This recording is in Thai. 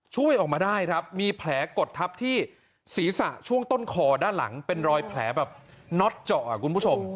ช่วยออกมาได้ครับมีแผลกดทับที่ศีรษะช่วงต้นคอด้านหลังเป็นรอยแผลแบบน็อตเจาะคุณผู้ชม